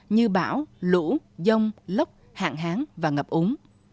như bão lũ dông lốc hạn hán và ngập úng